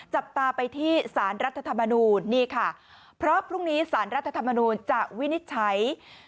จับตาไปที่สารรัฐธรรมนูลนี่ค่ะเพราะพรุ่งนี้สารรัฐธรรมนูลจะวินิจฉัย